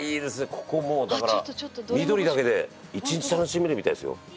ここもうだから緑だけで一日楽しめるみたいですよ。